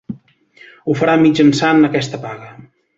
Ho faran mitjançant aquesta paga.